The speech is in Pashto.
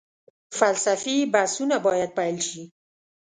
فلسفي بحثونه باید پيل شي.